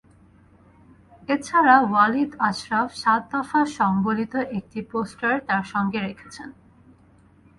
এ ছাড়া ওয়ালিদ আশরাফ সাত দফা সংবলিত একটি পোস্টার তাঁর সঙ্গে রেখেছেন।